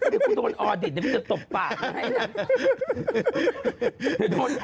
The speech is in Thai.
ถึงโดนออดิตมีการตกปากให้นะ